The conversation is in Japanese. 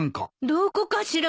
どこかしら。